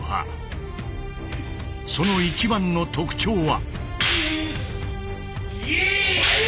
その一番の特徴は。